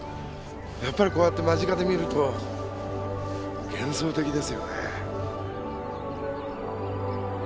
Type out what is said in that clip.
やっぱりこうやって間近で見ると幻想的ですよね。